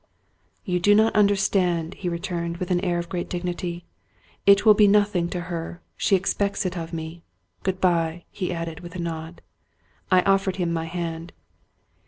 "You do not understand," he returned, with an air of great dignity. " It will be nothing to her ; she expects it of me. Good by !" he added, with a nod. I offered him my hand.